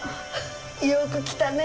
よく来たね。